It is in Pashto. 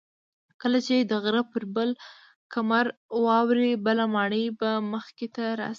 کله چې د غره پر بل کمر واوړې بله ماڼۍ به مخې ته راشي.